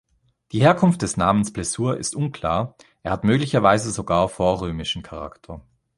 Die Herkunft des Namens "Plessur" ist unklar, er hat möglicherweise sogar vorrömischen Charakter.